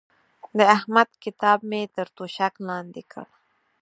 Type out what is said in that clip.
د احمد کتاب مې تر توشک لاندې کړ.